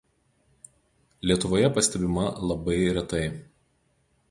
Lietuvoje pastebima labai retai.